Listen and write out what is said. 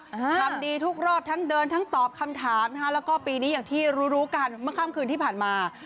ทำดีทุกรอบทั้งเดินทั้งตอบคำถามนะคะแล้วก็ปีนี้อย่างที่รู้รู้กันเมื่อค่ำคืนที่ผ่านมา